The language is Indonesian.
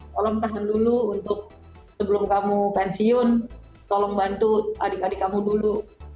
tolong tahan dulu untuk sebelum kamu pensiun tolong bantu adik adik kamu dulu